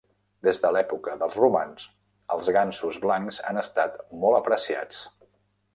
Des de l"època dels romans, els gansos blancs han estat molt apreciats.